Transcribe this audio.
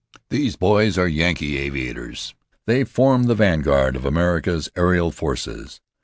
"These boys are Yankee aviators. They form the vanguard of America's aerial forces.